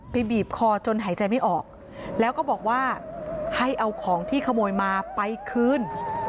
บีบคอจนหายใจไม่ออกแล้วก็บอกว่าให้เอาของที่ขโมยมาไปคืน